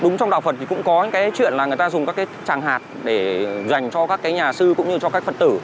đúng trong đạo phật thì cũng có những cái chuyện là người ta dùng các cái tràng hạt để dành cho các cái nhà sư cũng như cho các phật tử